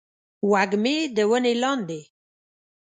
وږمې د ونې لاندې